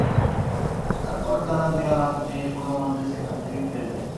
তারপর তারা দেয়াল হাতড়িয়ে কোন মতে সেখান থেকে ফিরে যায়।